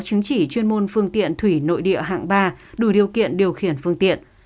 chứng chỉ chuyên môn phương tiện thủy nội địa hạng ba đủ điều kiện điều khiển phương tiện